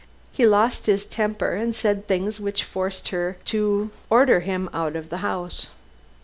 He lost his temper and said things which forced her to order him out of the house."